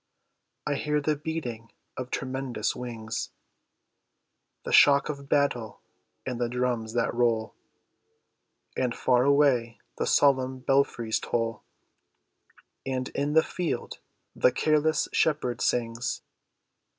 I hear the beating of tremendous wings, The shock of battle and the drums that roll; And far away the solemn belfries toll, And in the field the careless shepherd sings.